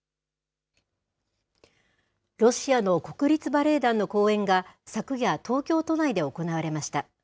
ロシアの国立バレエ団の公演が、昨夜、東京都内で行われました。